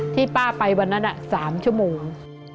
ที่ป้าไปวันนั้น๓ชั่วโมง